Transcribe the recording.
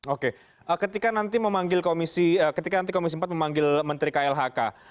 oke ketika nanti komisi empat memanggil menteri klhk